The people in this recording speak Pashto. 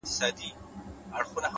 هڅاند روح محدودې پولې نه مني’